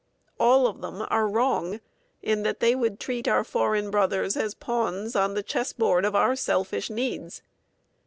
All of them are wrong in that they would treat our foreign brothers as pawns on the chessboard of our selfish needs.